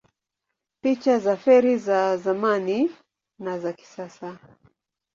Picha za feri za zamani na za kisasa